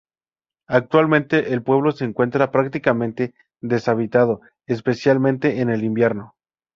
Actualmente el pueblo se encuentra prácticamente deshabitado, especialmente en el invierno.